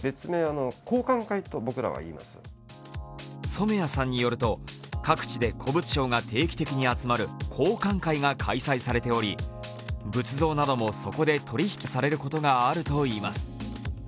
染谷さんによると、各地で古物商が定期的に集まる交換会が開催されており、仏像などもそこで取り引きされることがあるといいます。